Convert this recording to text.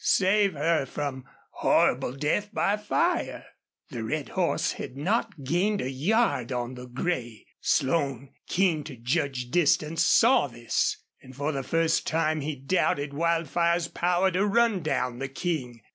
Save her from horrible death by fire! The red horse had not gained a yard on the gray. Slone, keen to judge distance, saw this, and for the first time he doubted Wildfire's power to ran down the King.